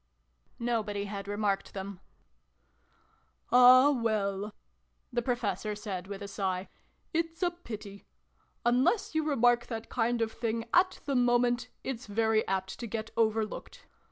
Nobody had remarked them. " Ah, well !" the Professor said with a sigh. "It's a pity. Unless you remark that kind of thing at the moment, it's very apt to get over looked